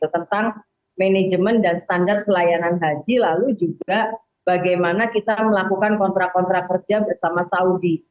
tentang manajemen dan standar pelayanan haji lalu juga bagaimana kita melakukan kontrak kontrak kerja bersama saudi